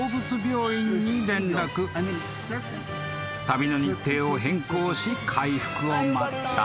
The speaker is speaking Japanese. ［旅の日程を変更し回復を待った］